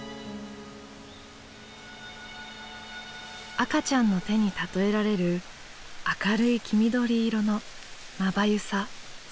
赤ちゃんの手に例えられる明るい黄緑色のまばゆさすがすがしさ。